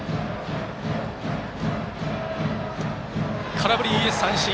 空振り三振。